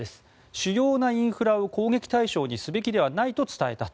主要なインフラを攻撃対象にすべきではないと伝えたと。